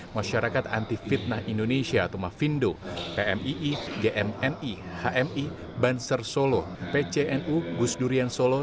masyarakat anti fitnah indonesia atau mafindo pmii gmni hmi banser solo pcnu gusdurian solo